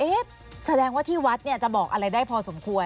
แสดงว่าที่วัดเนี่ยจะบอกอะไรได้พอสมควร